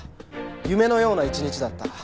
夢のような一日だった」。